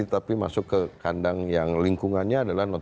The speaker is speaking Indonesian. tapi masuk ke kandang yang lingkungannya adalah notabe